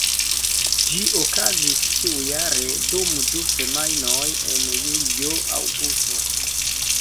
Ĝi okazis ĉiujare dum du semajnoj en julio-aŭgusto.